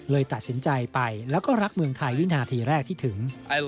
ตัดสินใจไปแล้วก็รักเมืองไทยวินาทีแรกที่ถึง